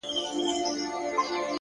گلاب جانانه ته مي مه هېروه ـ